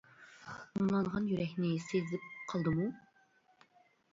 مۇڭلانغان يۈرەكنى سېزىپ قالدىمۇ ؟!